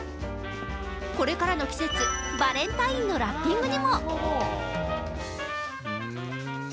これからの季節、バレンタインのラッピングにも。